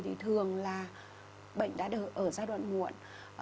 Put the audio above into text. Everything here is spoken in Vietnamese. thì thường là bệnh đã ở giai đoạn muộn